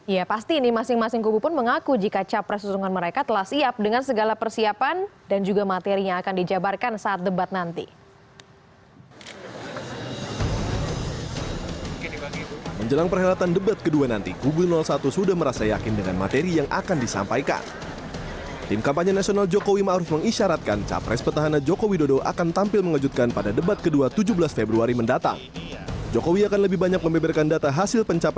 ya pasti ini masing masing kubu pun mengaku jika capresusungan mereka telah siap dengan segala persiapan dan juga materinya akan dijabarkan saat debat nanti